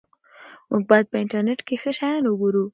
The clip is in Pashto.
موږ باید په انټرنیټ کې ښه شیان وګورو.